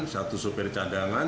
satu supir cadangan